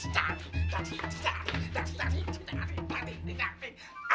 jadi jadi jadi jadi jadi jadi jadi jadi jadi